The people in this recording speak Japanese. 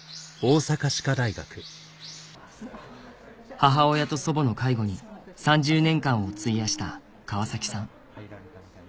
母親と祖母の介護に３０年間を費やした川崎さん